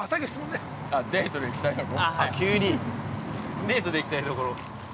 デートで行きたいとこ？